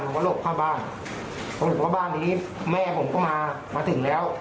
ผมก็หลบเข้าบ้านผมเห็นว่าบ้านนี้แม่ผมก็มามาถึงแล้ว